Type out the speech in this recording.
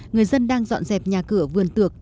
người dân đang dọn dẹp nhà cửa vườn tược